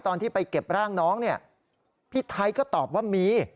ตอนที่ไปเก็บร่างน้องเนี่ยพี่ไทยก็ตอบว่ามี